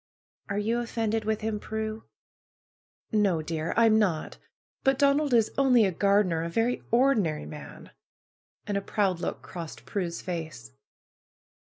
'^^ '^Are you offended with him, Prue?" ^^No, dear! I am not. But Donald is only a gar dener! A very ordinary man!" and a proud look crossed Prue's face.